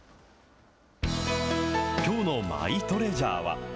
きょうのマイトレジャーは。